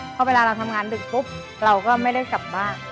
เพราะเวลาเราทำงานดึกปุ๊บเราก็ไม่ได้กลับบ้าน